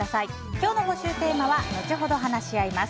今日の募集テーマは後ほど話し合います